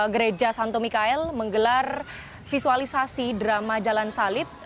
gereja santo mikael menggelar visualisasi drama jalan salib